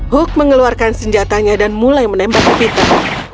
huk mengeluarkan senjatanya dan mulai menembak ke peter